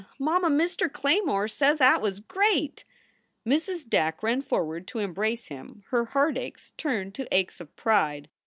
Mamma! Mister Claymore says at was great!" Mrs. Dack ran forward to embrace him, her heartaches turned to aches of pride.